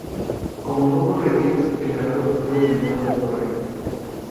Como no hubo retiros el ganador quedó eliminado del torneo.